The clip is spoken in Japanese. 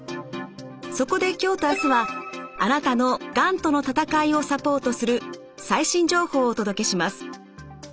そこで今日と明日はあなたのがんとの闘いをサポートする最新情報をお届けします。